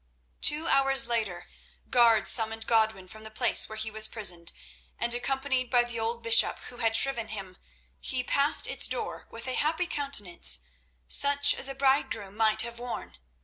Two hours later guards summoned Godwin from the place where he was prisoned, and, accompanied by the old bishop who had shriven him, he passed its door with a happy countenance, such as a bridegroom might have worn.